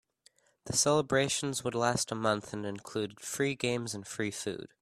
The celebrations would last a month and include free games and free food.